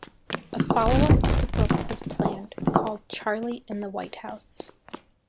A follow-up to the book was planned, called "Charlie in the White House".